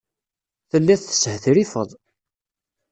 Telliḍ teshetrifeḍ.